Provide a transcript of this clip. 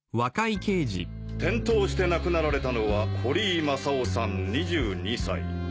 転倒して亡くなられたのは堀井正雄さん２２歳。